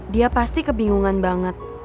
dia pasti kebingungan banget